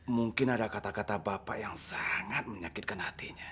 mungkin ada kata kata bapak yang sangat menyakitkan hatinya